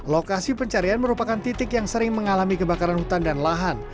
lokasi pencarian merupakan titik yang sering mengalami kebakaran hutan dan lahan